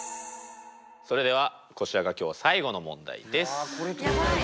それではこちらが今日最後の問題です。